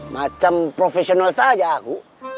macam profesional saja aku